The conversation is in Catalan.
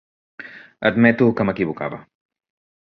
Admeto que m'equivocava.